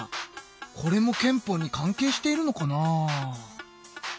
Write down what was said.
これも憲法に関係しているのかな？